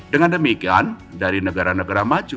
dengan demikian dari negara negara maju